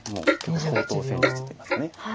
高等戦術といいますか。